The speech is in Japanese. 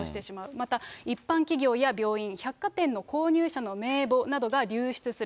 また、一般企業や病院、百貨店の購入者の名簿などが流出する。